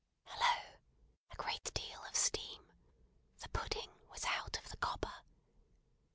Hallo! A great deal of steam! The pudding was out of the copper.